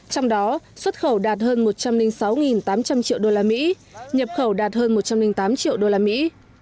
trong đó xuất khẩu đạt hơn một trăm linh sáu tám trăm linh triệu đô la mỹ nhập khẩu đạt hơn một trăm linh tám triệu đô la mỹ